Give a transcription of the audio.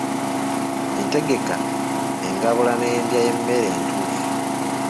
Entegeka, engabula n'endya y'emmere entuufu.